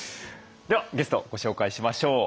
ではゲストをご紹介しましょう。